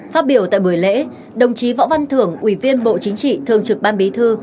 phát biểu tại buổi lễ đồng chí võ văn thưởng ủy viên bộ chính trị thường trực ban bí thư